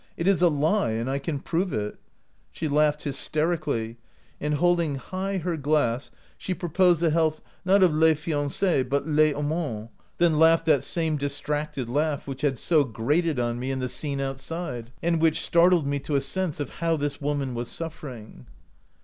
It is a lie, and I can prove it. 1 She laughed hysterically, 34 OUT OF BOHEMIA and, holding high her glass, she proposed the health not of 'les fiances' but 'les amants,' then laughed that same distracted laugh which had so grated on me in the scene outside, and which startled me to a sense of how this woman was suffering.